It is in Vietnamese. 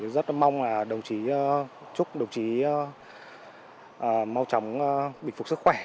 rất mong là đồng chí chúc đồng chí mau chóng bình phục sức khỏe